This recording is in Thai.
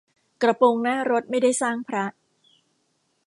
กระโปรงหน้ารถไม่ได้สร้างพระ